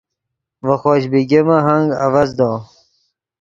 ڤے خوش بیگمے ہنگ اڤزدو